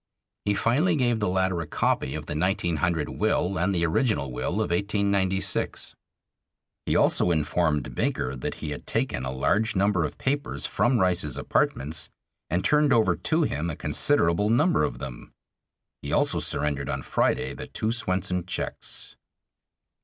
He finally gave the latter a copy of the 1900 will and the original will of 1896. He also informed Baker that he had taken a large number of papers from Rice's apartments, and turned over to him a considerable number of them. He also surrendered on Friday the two Swenson checks.